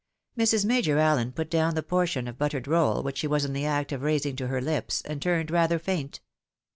Mrs. Major AUen put down the portion of buttered roll which she was in the act of raising to her hps, and turned rather faint.